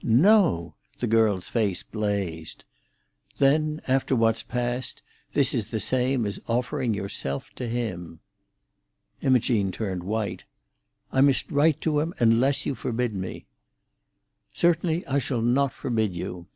"No!" the girl's face blazed. "Then, after what's passed, this is the same as offering yourself to him." Imogene turned white. "I must write to him, unless you forbid me." "Certainly I shall not forbid you."